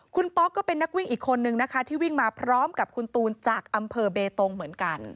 คุณป๊อกก็เป็นนักวิ่งอีกคนนึงนะคะที่วิ่งมาพร้อมกับคุณตูนจากอำเภอเบตงเหมือนกัน